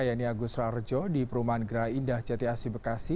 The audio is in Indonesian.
yang ini agus rarjo di perumahan gera indah jati asi bekasi